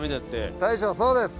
大昇そうです。